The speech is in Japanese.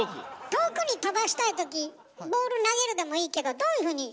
遠くに飛ばしたいときボール投げるでもいいけどどういうふうに。